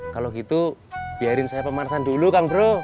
kalau gitu biarin saya pemanasan dulu kang bro